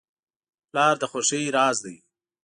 پلار د خوښۍ راز دی.